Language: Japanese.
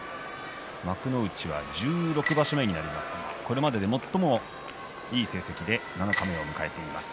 幕内は１６場所になりますがこれまでで最もいい成績で七日目を迎えています。